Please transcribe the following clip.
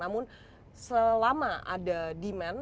namun selama ada demand